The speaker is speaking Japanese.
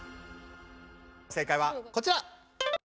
正解はこちら！